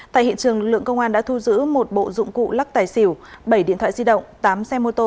tại hiện trường lượng công an đã thu giữ một bộ dụng cụ lắc tài xỉu bảy điện thoại di động tám xe mô tô